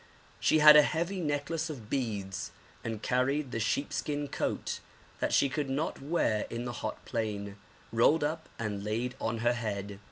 She had a heavy necklace of beads and carried the sheep skin coat, that she could not wear in the hot plain, rolled up and laid on her head.